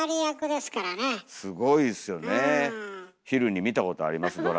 昼に見たことあります